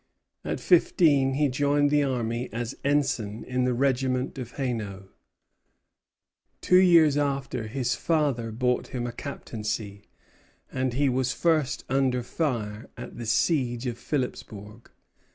At fifteen he joined the army as ensign in the regiment of Hainaut. Two years after, his father bought him a captaincy, and he was first under fire at the siege of Philipsbourg.